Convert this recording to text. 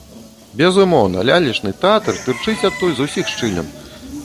Безумоўна, лялечны тэатр тырчыць адтуль з усіх шчылін!